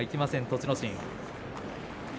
栃ノ心。